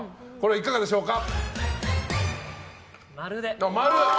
いかがでしょうか。